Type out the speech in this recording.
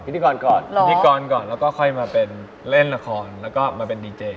พิธีกรก่อนพิธีกรก่อนแล้วก็ค่อยมาเป็นเล่นละครแล้วก็มาเป็นดีเจ